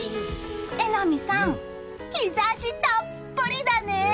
榎並さん、日差したっぷりだね！